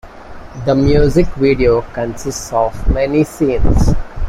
This music video consists of many scenes.